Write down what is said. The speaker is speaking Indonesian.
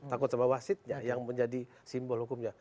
takut sama wasitnya yang menjadi simbol hukumnya